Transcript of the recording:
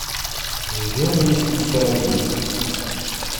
Bezgen yiselsa-iw.